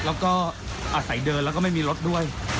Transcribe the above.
แล้วก็อาศัยเดินแล้วก็ไม่มีรถด้วย